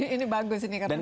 ini bagus ini karena